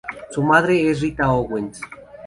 Su madre es Rita Owens.